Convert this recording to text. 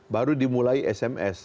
baru dimulai sms